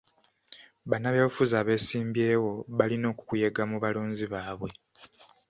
Bannabyabufuzi abeesimbyewo balina okukuyega mu balonzi baabwe.